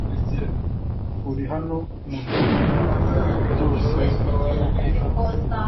uri hano mubyo nkora byose no kuvuga.